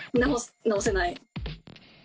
直せない。